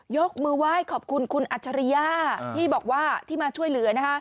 ยกมือไหว้ขอบคุณคุณอัจฉริยะที่บอกว่าที่มาช่วยเหลือ